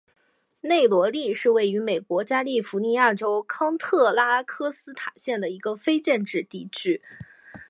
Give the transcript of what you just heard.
内罗利是位于美国加利福尼亚州康特拉科斯塔县的一个非建制地区。